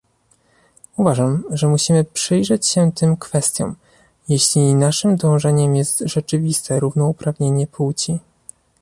Uważam, że musimy przyjrzeć się tym kwestiom, jeśli naszym dążeniem jest rzeczywiste równouprawnienie płci